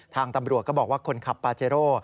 ทางตำรวจก็บอกว่าคนขับปาเจโร่